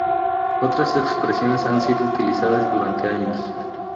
Otras expresiones han sido utilizadas durante años.